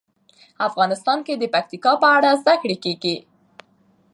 افغانستان کې د پکتیکا په اړه زده کړه کېږي.